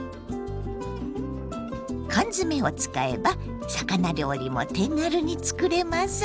缶詰を使えば魚料理も手軽に作れます。